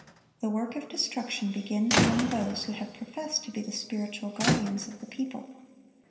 (1137) The work of destruction begins among those who have professed to be the spiritual guardians of the people.